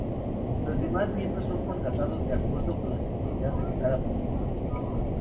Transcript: Los demás miembros son contratados de acuerdo con las necesidades de cada proyecto.